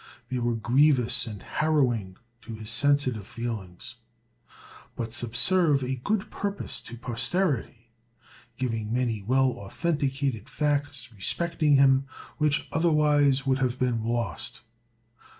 They were grievous and harrowing to his sensitive feelings, but subserve a good purpose to posterity, giving many well authenticated facts respecting him, which otherwise would have been lost.